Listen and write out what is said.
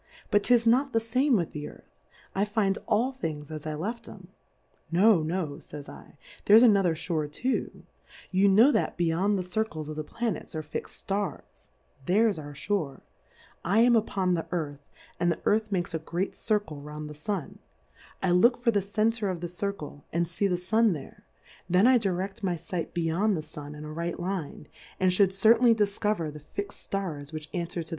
But 'tis not the fame with the Earth, I find all Things as I left "^em. No, no, pys 7, there's another Shoar too ; You know that be yond the Circles of the Planets are fix'd Stars, there's our Shoar, I am upon the Earth, and the Earth makes a great Circle round the Sun ; I look for the Center of the Circle and fee the Sun there, then I direct my fight beyond the Sun in a right Line, and lliould certainly difcover the fix'd Stars which anfwer to